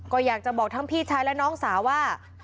ก็อยากจะบอกทั้งพี่ชายและน้องสาวว่า